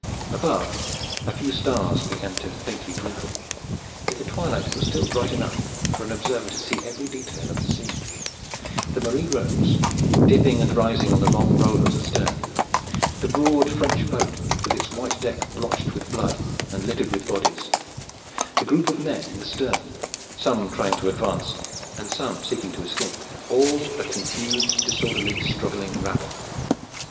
Above, a few stars began to faintly twinkle; yet the twilight was still bright enough for an observer to see every detail of the scene: the Marie Rose, dipping and rising on the long rollers astern; the broad French boat with its white deck blotched with blood and littered with bodies; the group of men in the stern, some trying to advance and some seeking to escape all a confused, disorderly, struggling rabble.